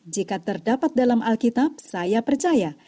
jika terdapat dalam alkitab saya percaya